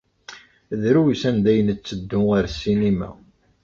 Drus anda ay netteddu ɣer ssinima.